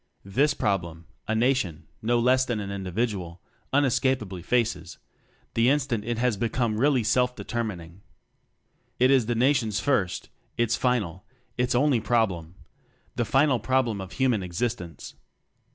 This problem a Nation no less than an individual unescapably faces, the instant it has become really self determining. It is the Nation's first, its final, its only problem the final problem of human existence.